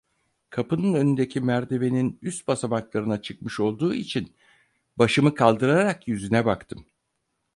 Kapının önündeki merdivenin üst basamaklarına çıkmış olduğu için başımı kaldırarak yüzüne baktım.